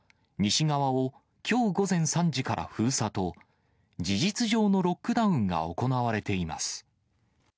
西側をきょう午前３時から封鎖と、事実上のロックダウンが行われています。